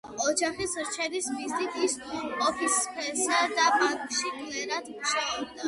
ოჯახის რჩენის მიზნით ის ოფისებსა და ბანკებში კლერკად მუშაობდა.